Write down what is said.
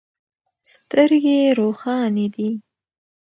سترګې روښانې دي.